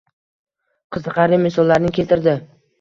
Qiziqarli misollarni keltirdi